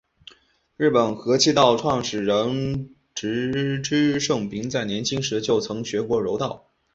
日本合气道创始人植芝盛平在年轻时就曾学过柔道。